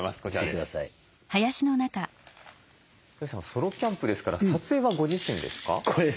ソロキャンプですから撮影はご自身ですか？